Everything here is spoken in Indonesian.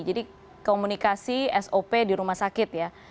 jadi komunikasi sop di rumah sakit ya